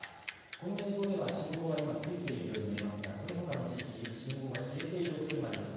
この映像では、信号は今ついているように見えますが、そのほかの地域、信号が消えているおそれもあります。